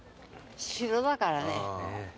城だからね。